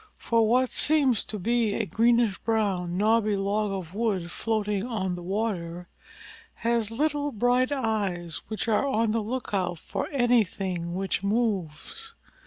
For what seems to be a greenish brown, knobby log of wood floating on the water, has little bright eyes which are on the lookout for anything which moves.